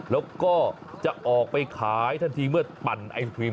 แล้วก็จะออกไปขายทันทีเมื่อปั่นไอศครีม